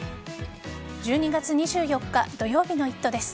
１２月２４日土曜日の「イット！」です。